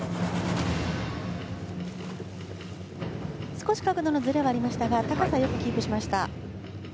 少し角度のずれはありましたが高さ、よくキープしました。